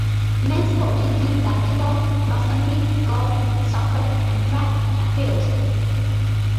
Men's sports include basketball, cross country, golf, soccer and track and field.